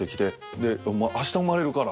で明日生まれるから。